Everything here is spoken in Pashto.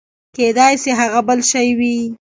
کېداى سي هغه بل شى وي.